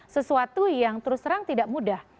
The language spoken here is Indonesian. sesuatu yang terus terang tidak mudah